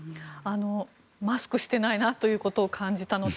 マスクをしていないなというのを感じたのと